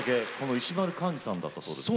石丸幹二さんだったそうですね。